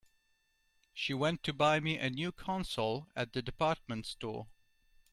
She went to buy me a new console at the department store.